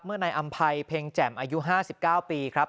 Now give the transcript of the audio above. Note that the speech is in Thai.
นายอำภัยเพ็งแจ่มอายุ๕๙ปีครับ